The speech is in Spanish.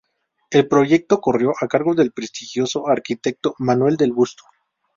El proyecto corrió a cargo del prestigioso arquitecto Manuel del Busto.